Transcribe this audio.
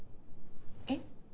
えっ？